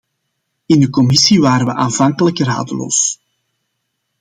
In de commissie waren we aanvankelijk radeloos.